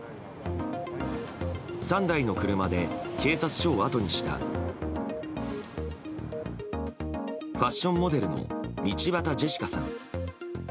３台の車で警察署をあとにしたファッションモデルの道端ジェシカさん。